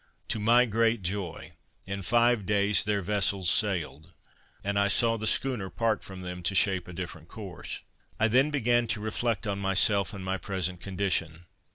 To my great joy, in five days their vessels sailed, and I saw the schooner part from them to shape a different course. I then began to reflect on myself and my present condition.